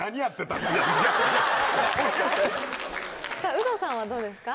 さぁウドさんはどうですか？